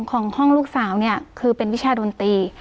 ของห้องลูกสาวเนี่ยคือเป็นวิชาดนตรี